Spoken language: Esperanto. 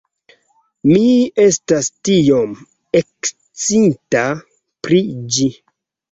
Mi estas tiom ekscita pri ĝi